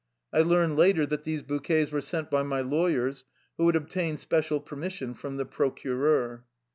I learned later that these bouquets were sent by my lawyers, who had obtained special permission from the procureur.